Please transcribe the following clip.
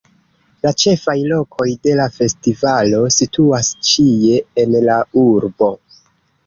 La ĉefaj lokoj de la festivalo situas ĉie en la urbo.